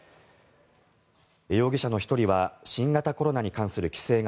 容疑者の１人は新型コロナに関する規制が